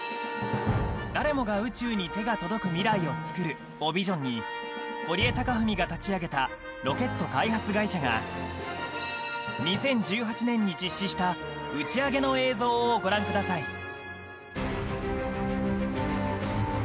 「誰もが宇宙に手が届く未来を作る」をビジョンに堀江貴文が立ち上げたロケット開発会社が２０１８年に実施した打ち上げの映像をご覧ください